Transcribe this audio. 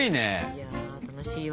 いや楽しいわ。